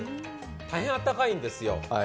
大変あったかいんですよ。